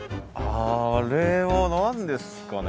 あれは何ですかね。